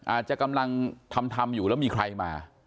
อาจจะกำลังทำทำอยู่แล้วมีใครมา